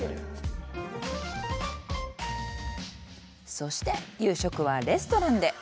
そして、夕食はレストランで。